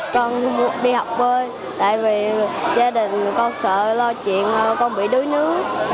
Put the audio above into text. con đi học bơi tại vì gia đình con sợ lo chuyện con bị đuối nước